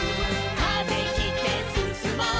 「風切ってすすもう」